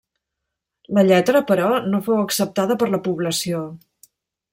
La lletra, però, no fou acceptada per la població.